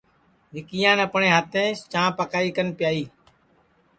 وکیان اپٹؔے ہاتیںٚس چاں پکائی کن پیائی